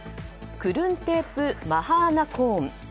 クルンテープ・マハーナコーン。